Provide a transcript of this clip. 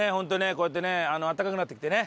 こうやってね暖かくなってきてね